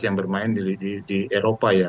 yang bermain di eropa ya